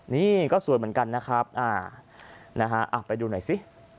นี่ก็สวยเหมือนกันนะครับไปดูหน่อยสิ